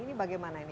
ini bagaimana ini